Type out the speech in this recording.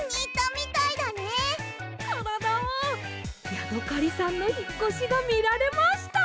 ヤドカリさんのひっこしがみられました！